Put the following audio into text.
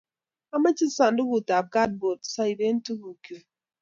amache sandukt ab kadbod sa ibee tuguk chuk